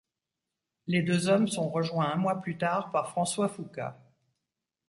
Les deux hommes sont rejoint un mois plus tard par François Fouquat.